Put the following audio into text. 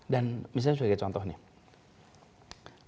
dan misalnya sebagai contoh nih